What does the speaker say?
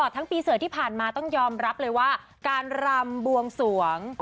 ทั้งปีเสือที่ผ่านมาต้องยอมรับเลยว่าการรำบวงสวง